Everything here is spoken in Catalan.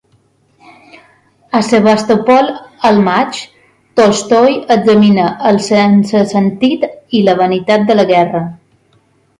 A "Sebastopol al maig", Tolstoi examina el sense-sentit i la vanitat de la guerra.